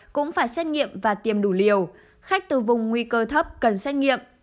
cũng phải xét nghiệm và tiêm đủ liều khách từ vùng nguy cơ thấp cần xét nghiệm